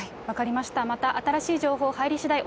また新しい情報入りしだい